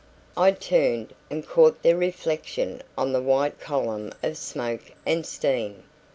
I turned, and caught their reflection on the white column of smoke and steam.